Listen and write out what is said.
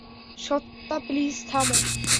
Satya, please থামো!